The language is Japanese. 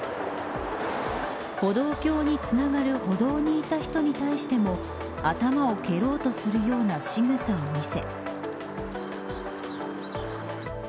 歩道橋につながる歩道にいた人に対しても頭を蹴ろうとするようなしぐさを見せ。